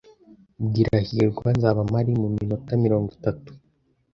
Bwira hirwa nzaba mpari muminota mirongo itatu.